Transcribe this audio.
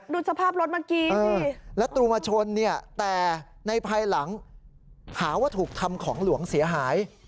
ดูสภาพรถเมื่อกี้แล้วตูมาชนเนี่ยแต่ในภายหลังหาว่าถูกทำของหลวงเสียหาย